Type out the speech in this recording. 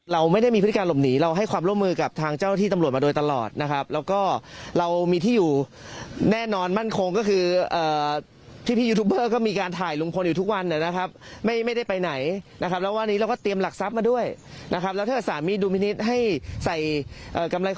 ท่านใดความส่วนตัวของหน่อยชายพลนะครับยังกระดาษทิ้งท้ายว่าขอให้ศาลเมตตา